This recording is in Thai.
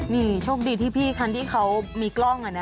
นี่โชคดีที่พี่คันที่เขามีกล้อง